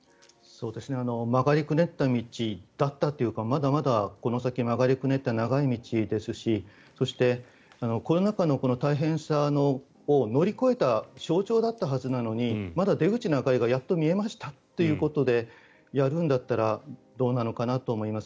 曲がりくねった道だったというかまだまだこの先曲がりくねった長い道ですしそして、コロナ禍の大変さを乗り越えた象徴だったはずなのにまだ出口の明かりが見えましたということでやるんだったらどうなのかなと思います。